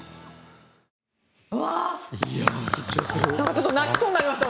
ちょっと泣きそうになりました。